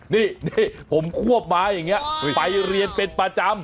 นี่ผมควบมาอย่างนี้ไปเรียนเป็นประจำ